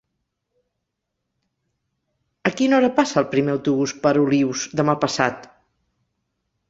A quina hora passa el primer autobús per Olius demà passat?